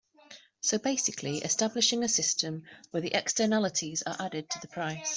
So basically establishing a system where the externalities are added to the price.